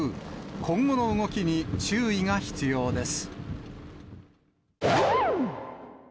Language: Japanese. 今後の動きに注意が必要です。